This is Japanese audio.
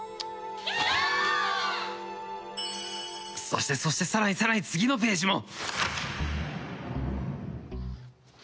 そしてそしてさらにさらに次のページも。